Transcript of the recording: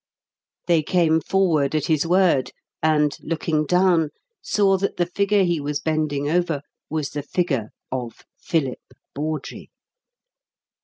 They came forward at his word, and, looking down, saw that the figure he was bending over was the figure of Philip Bawdrey.